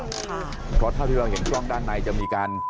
เพราะเท่าที่เราเห็นกล้องด้านในจะมีการ